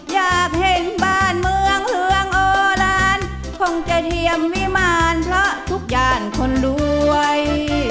อยากเห็นบ้านเมืองเฮืองโอลานคงจะเทียมวิมารเพราะทุกอย่างคนรวย